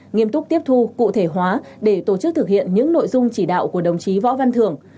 nghiêm túc tiếp thu cụ thể hóa để tổ chức thực hiện những nội dung chỉ đạo của đồng chí võ văn thưởng